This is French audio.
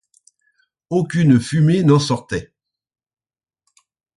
Aucune fumée n’en sortait.